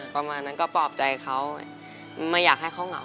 ประมาณนั้นก็ปลอบใจเขาไม่อยากให้เขาเหงา